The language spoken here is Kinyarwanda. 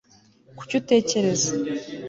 kuki utekereza